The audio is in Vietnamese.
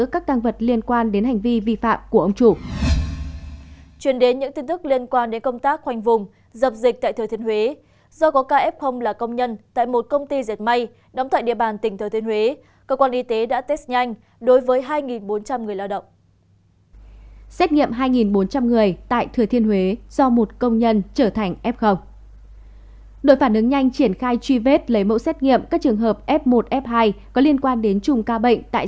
có liên quan đến trùng ca bệnh tại xã phong hòa huyện phong điền thừa thiên huế